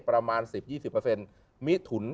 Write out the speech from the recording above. ประมาณ๑๐๒๐มิถุน